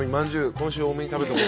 今週多めに食べとこう。